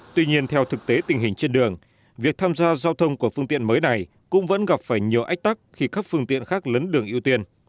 tuy nhiên theo thực tế tình hình trên đường việc tham gia giao thông của phương tiện mới này cũng vẫn gặp phải nhiều ách tắc khi các phương tiện khác lấn đường ưu tiên